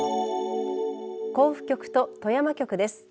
甲府局と富山局です。